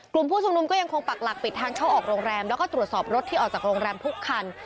กลุ่มผู้ชุมนุมก็ยังคงปักหลักปิดทางเข้าออกโรงแรมแล้วก็ตรวจสอบรถที่ออกจากโรงแรมทุกคัน